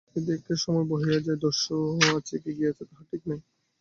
এ দিকে সময় বহিয়া যায়, দস্যু আছে কি গিয়াছে তাহার ঠিক নাই।